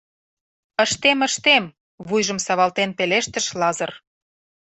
— Ыштем-ыштем, — вуйжым савалтен пелештыш Лазыр.